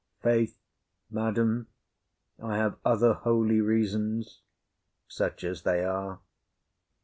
Faith, madam, I have other holy reasons, such as they are.